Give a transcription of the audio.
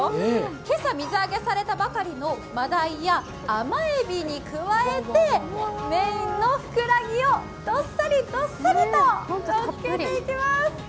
今朝水揚げされたばかりの真鯛や甘えびに加えて、メインのフクラギをどっさり、どっさりとのっけていきます。